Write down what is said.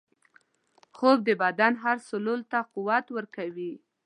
خوب د بدن هر سلول ته قوت ورکوي